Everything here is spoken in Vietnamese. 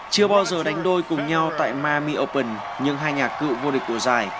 chưa bao giờ đánh đôi cùng nhau tại mahmi open nhưng hai nhà cựu vô địch của giải